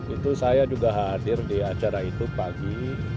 itu saya juga hadir di acara itu pagi